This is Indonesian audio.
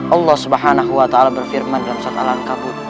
allah swt berfirman dalam sholat alam kabur